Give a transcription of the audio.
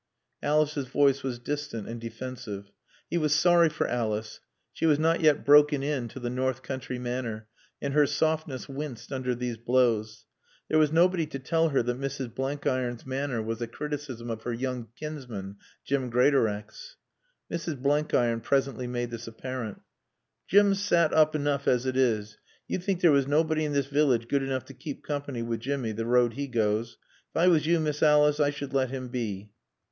Alice's voice was distant and defensive. He was sorry for Alice. She was not yet broken in to the north country manner, and her softness winced under these blows. There was nobody to tell her that Mrs. Blenkiron's manner was a criticism of her young kinsman, Jim Greatorex. Mrs. Blenkiron presently made this apparent. "Jim's sat oop enoof as it is. You'd think there was nawbody in this village good enoof to kape coompany wi' Jimmy, the road he goas. Ef I was you, Miss Olice, I should let him be."